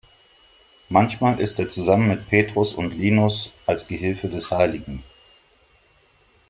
Manchmal ist er zusammen mit Petrus und Linus als Gehilfe des hl.